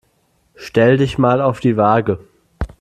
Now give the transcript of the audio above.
Stell dich mal auf die Waage.